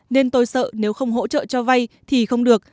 nên tôi sợ nếu không hỗ trợ cho vay thì không được